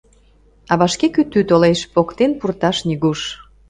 А вашке кӱтӱ толеш, поктен пурташ нигуш.